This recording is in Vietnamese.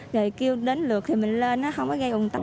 rồi kêu đến lượt thì mình lên nó không có gây ủng tắc